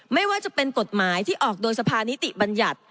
ไม่ว่าจะเป็นกฎหมายที่ออกโดยสภานิติบัญญัติ